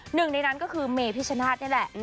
หนึ่งในนั้นก็คือเมพิชนาธิ์นี่แหละ